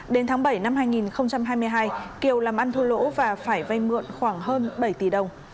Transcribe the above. đến tháng bảy năm hai nghìn hai mươi hai kiều làm ăn thua lỗ và phải vay mượn khoảng hơn bảy tỷ đồng